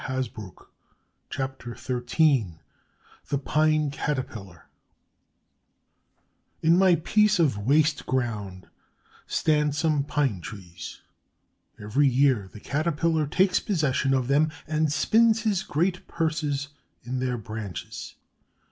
CHAPTER XIII THE PINE CATERPILLAR In my piece of waste ground stand some pine trees. Every year the Caterpillar takes possession of them and spins his great purses in their branches.